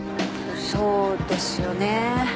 そうですよね。